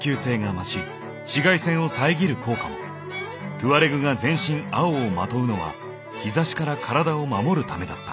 トゥアレグが全身青を纏うのは日差しから体を守るためだった。